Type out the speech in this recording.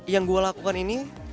yang gue lakukan ini